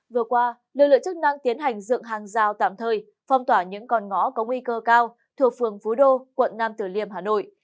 vừa qua lực lượng chức năng tiến hành dựng hàng rào tạm thời phong tỏa những con ngõ có nguy cơ cao thuộc phường phú đô quận nam tử liêm hà nội